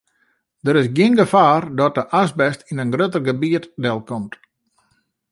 Der is gjin gefaar dat de asbest yn in grutter gebiet delkomt.